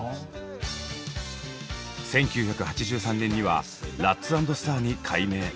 １９８３年には「ラッツ＆スター」に改名。